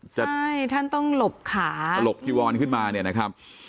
ใช่ท่านต้องหลบขาถลบจีวอนขึ้นมาเนี่ยนะครับ